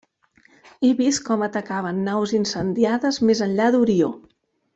He vist com atacaven naus incendiades més enllà d'Orió.